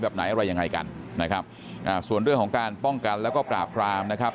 แบบไหนอะไรยังไงกันนะครับอ่าส่วนเรื่องของการป้องกันแล้วก็ปราบรามนะครับ